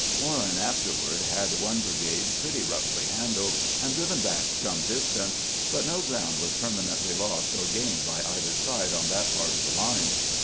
Warren afterward had one brigade pretty roughly handled, and driven back some distance ; but no ground was perma nently lost or gained by either side on that part of the line.